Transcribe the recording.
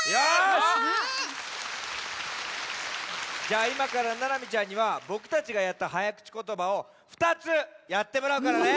じゃあいまからななみちゃんにはぼくたちがやったはやくちことばを２つやってもらうからね。